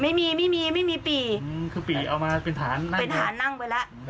ไม่มีไม่มีปีคือปีเอามาเป็นฐานนั่งเป็นฐานนั่งไปแล้ว